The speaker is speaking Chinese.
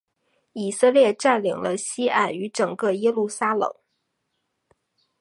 以色列占领了西岸与整个耶路撒冷。